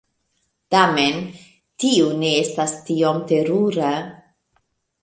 Tamen, tio ne estas tiom terura.